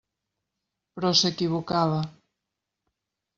Però s'equivocava.